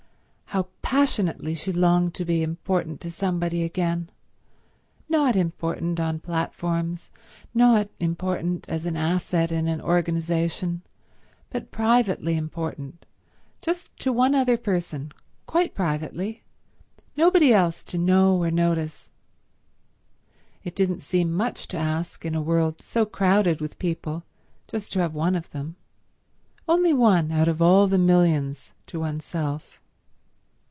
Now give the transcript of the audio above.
How passionately she longed to be important to somebody again—not important on platforms, not important as an asset in an organization, but privately important, just to one other person, quite privately, nobody else to know or notice. It didn't seem much to ask in a world so crowded with people, just to have one of them, only one out of all the millions, to oneself.